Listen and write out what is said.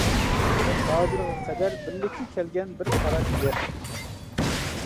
ئىشقىلىپ ھازىرغا قەدەر بىرلىككە كەلگەن بىر قاراش يوق.